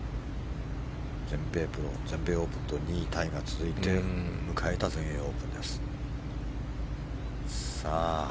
全米プロ、全米オープンと２位が続いて迎えた全英オープンです。